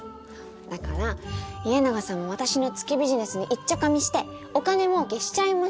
だからイエナガさんも私の月ビジネスにいっちょかみしてお金もうけしちゃいましょうよ！